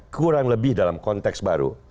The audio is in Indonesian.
kurang lebih dalam konteks baru